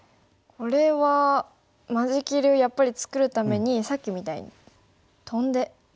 これは間仕切りをやっぱり作るためにさっきみたいにトンでみますか。